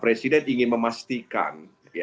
presiden ingin memastikan